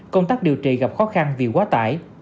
công tác điều trị gặp khó khăn vì quá tải